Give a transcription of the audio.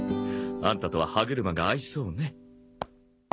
アンタとは歯車が合いそうね。